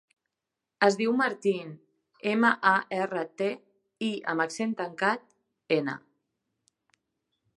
Es diu Martín: ema, a, erra, te, i amb accent tancat, ena.